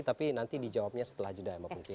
tapi nanti dijawabnya setelah jeda ya mbak pungki